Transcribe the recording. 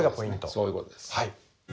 そういう事です。